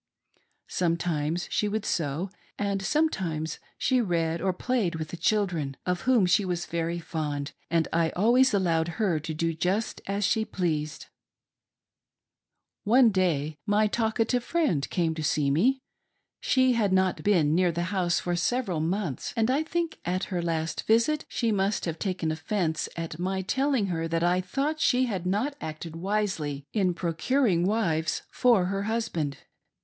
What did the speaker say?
Sometimes she would sew, and sometimes she read pr played with the children, of whom she was very fond, and I always allowed her to do just as she pleased. 412 "so MANY BUSYBODIES HERE. One day my talkative friend called to see me. She had not been near the house for several months, and I think, at her .last visit, she must have taken offence at my telling her that I thought she had not acted wisely in procuring wives for her husband.